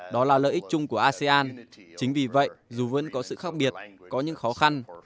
đó là lợi ích chung của asean chính vì vậy dù vẫn có sự khác biệt có những khó khăn